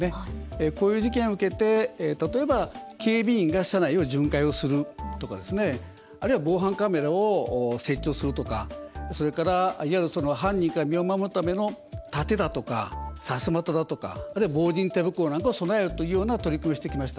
こういう事件を受けて例えば警備員が車内を巡回するとかあるいは防犯カメラを設置をするとかそれから、いわゆる犯人から身を守るための盾だとかさすまただとか防刃手袋などを備えるというような取り組みをしてきました。